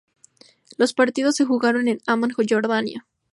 Los partidos se jugaron en Ammán, Jordania.